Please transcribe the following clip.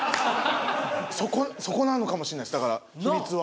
そこなのかもしんないですだから秘密は。